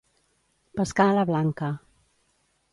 Pescar a la blanca.